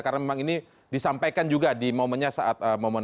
karena memang ini disampaikan juga di momennya saat